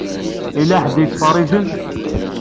Yella ḥedd i yettfeṛṛiǧen.